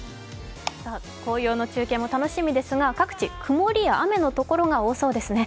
紅葉の中継も楽しみですが各地曇りや雨の所が多そうですね。